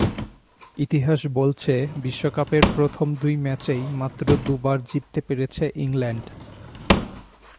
ইতিহাস বলছে, বিশ্বকাপের প্রথম দুই ম্যাচেই মাত্র দুবার জিততে পেরেছে ইংল্যান্ড।